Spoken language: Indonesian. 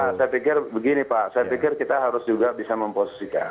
ya saya pikir begini pak saya pikir kita harus juga bisa memposisikan